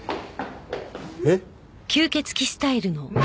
えっ？